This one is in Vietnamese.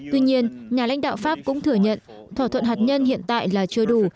tuy nhiên nhà lãnh đạo pháp cũng thừa nhận thỏa thuận hạt nhân hiện tại là chưa đủ